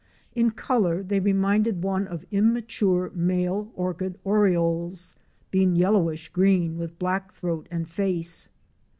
In color they reminded one of immature male Orchard Orioles, being yellowish green with black throat and face.